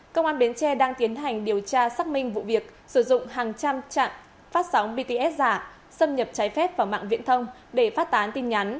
công an bến tre đang tiến hành điều tra xác minh vụ việc sử dụng hàng trăm trạm phát sóng bts giả xâm nhập trái phép vào mạng viễn thông để phát tán tin nhắn